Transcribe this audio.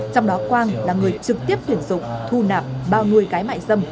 trong đó quang là người trực tiếp tuyển dụng thu nạp bao nuôi cái mại dâm